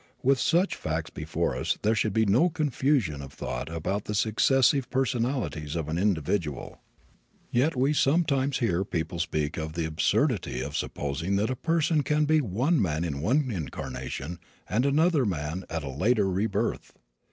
With such facts before us there should be no confusion of thought about the successive personalities of an individual. Yet we sometimes hear people speak of the absurdity of supposing that a person can be one man in one incarnation and another man at a later rebirth.